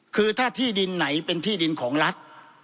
คือถ้าที่ดินไหนเป็นที่ดินของรัฐ